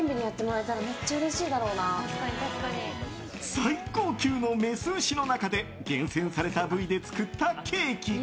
最高級のメス牛の中で厳選された部位で作ったケーキ。